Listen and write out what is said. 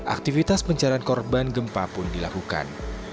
aktivitas pencarian korban gempa pun dilakukan